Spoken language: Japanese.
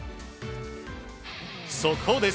速報です。